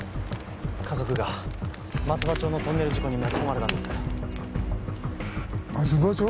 家族が松葉町のトンネル事故に巻き込まれたんです松葉町？